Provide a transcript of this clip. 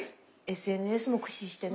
ＳＮＳも駆使してね。